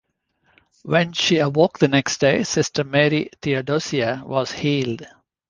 When she awoke the next day, Sister Mary Theodosia was healed.